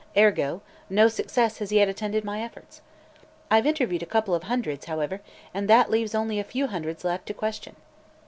Ergo, no success has yet attended my efforts. I've interviewed a couple of hundreds, however, and that leaves only a few hundreds left to question."